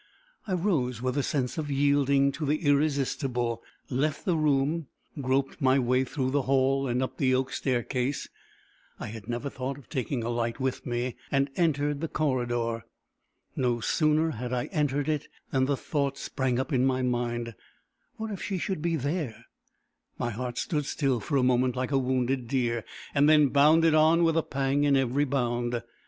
I rose with a sense of yielding to the irresistible, left the room, groped my way through the hall and up the oak staircase I had never thought of taking a light with me and entered the corridor. No sooner had I entered it, than the thought sprang up in my mind "What if she should be there!" My heart stood still for a moment, like a wounded deer, and then bounded on, with a pang in every bound.